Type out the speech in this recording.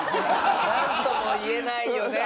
なんとも言えないよね。